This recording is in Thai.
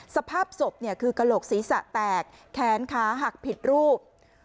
สภาพศพคือกระโหลกศีรษะแตกแขนขาหักผิดรูป